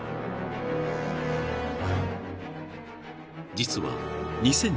［実は］